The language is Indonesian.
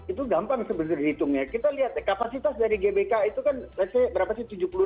itu gampang sebesar hitungnya kita lihat kapasitas dari gbk itu kan berapa sih tujuh puluh ribu kan